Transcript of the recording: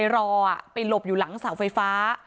รอไปหลบอยู่หลังเสาไฟฟ้า